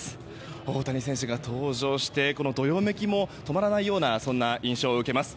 大谷選手が登場してどよめきも止まらないようなそんな印象を受けます。